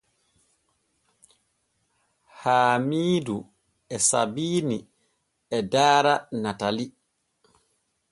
Haamiidu e Sabiini e daara Natalii.